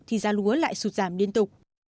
thì giá lúa lại sụt giảm điên tục